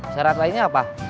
saran lainnya apa